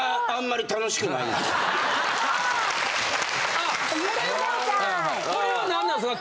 あこれはこれは何なんですか？